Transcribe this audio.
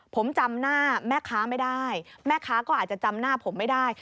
ผมจำหน้าแม่ค้าไม่ได้แม่ค้าก็อาจจะจำหน้าผมไม่ได้